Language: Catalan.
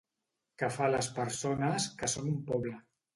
Que fa les persones que són un poble.